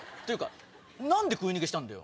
何で食い逃げしたんだよ？